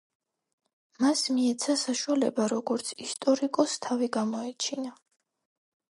მას მიეცა საშუალება, როგორც ისტორიკოსს, თავი გამოეჩინა.